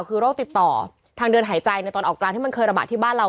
คือโรคติดต่อทางเดินหายใจในตอนออกกลางที่มันเคยระบาดที่บ้านเรา